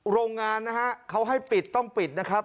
โรงงานนะฮะเขาให้ปิดต้องปิดนะครับ